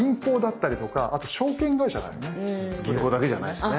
銀行だけじゃないんですね。